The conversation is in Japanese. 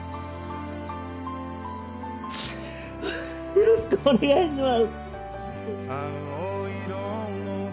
よろしくお願いします！